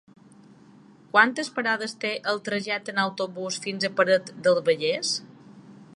Quantes parades té el trajecte en autobús fins a Parets del Vallès?